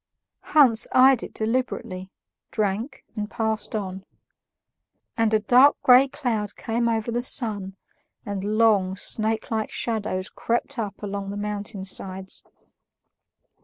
Hans eyed it deliberately, drank, and passed on. And a dark gray cloud came over the sun, and long, snakelike shadows crept up along the mountain sides.